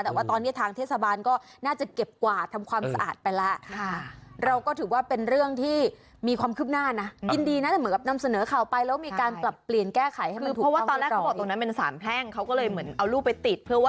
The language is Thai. แต่ว่าตอนนี้ทางเทศบาลก็น่าจะเก็บกวาดทำความสะอาดไปแล้ว